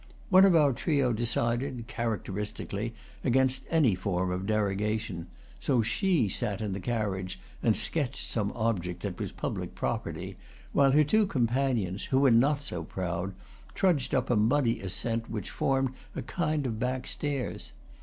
One of our trio decided, characteristically, against any form of derogation; so she sat in the carriage and sketched some object that was public property, while her two companions, who were not so proud, trudged up a muddy ascent which formed a kind of back stairs.